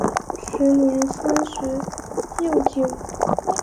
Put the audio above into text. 时年三十有九。